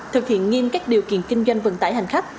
thực hiện nghiêm các điều kiện kinh doanh vận tải hành khách